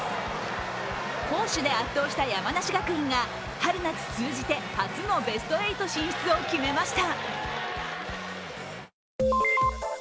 攻守で圧倒した山梨学院が春夏通じて初のベスト８進出を決めました。